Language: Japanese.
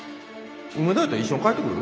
梅田やったら一緒に帰ってくる？